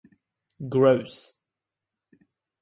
Gross.